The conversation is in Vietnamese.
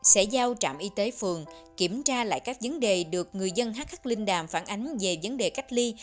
sẽ giao trạm y tế phường kiểm tra lại các vấn đề được người dân h khắc linh đàm phản ánh về vấn đề cách ly